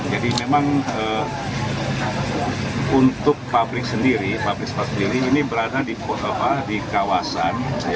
jadi memang untuk pabrik sendiri pabrik sendiri ini berada di kawasan